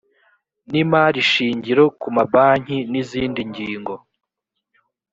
n imari shingiro ku mabanki n izindi ngingo